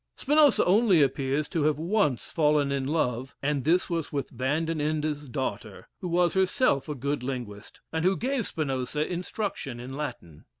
Spinoza only appears to have once fallen in love, and this was with Van den Ende's daughter, who was herself a good linguist, and who gave Spinoza instruction in Latin.